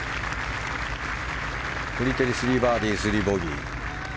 フリテリ３バーディー３ボギー。